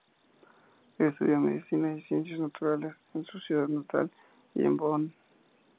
Estudió Medicina y Ciencias naturales en su ciudad natal y en Bonn.